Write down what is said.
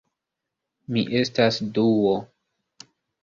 Mi estas Duo